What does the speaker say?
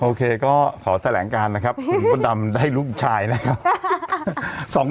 โอเคก็ขอแถลงการนะครับคุณมดดำได้ลูกชายนะครับ